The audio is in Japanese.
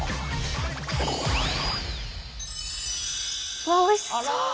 うわっおいしそう！